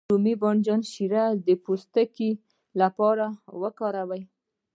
د رومي بانجان شیره د پوستکي لپاره وکاروئ